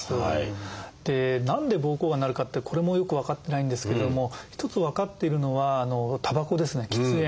で何で膀胱がんになるかってこれもよく分かってないんですけども一つ分かっているのはたばこですね喫煙。